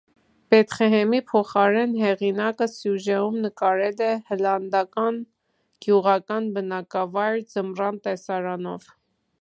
Բեթղեհեմի փոխարեն հեղինակը սյուժեում նկարել է հլանդական գյուղական բնակավայր՝ ձմռան տեսարանով։